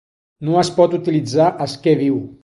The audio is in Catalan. No es pot utilitzar esquer viu.